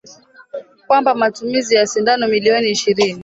kwamba matumizi ya sindano milioni ishirini